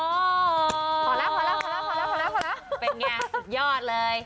พอแล้วเป็นไงสุดยอดเลย